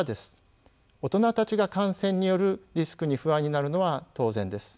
大人たちが感染によるリスクに不安になるのは当然です。